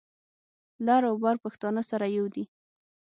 لر او بر پښتانه سره یو دي.